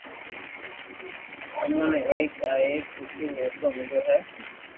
امو نيي ايڪ آ ايڪ سٺو موقو ميليو ھي